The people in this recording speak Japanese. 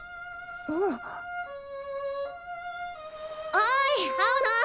おい青野。